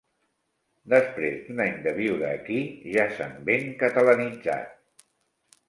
Després d'un any de viure aquí, ja s'han ben catalanitzat.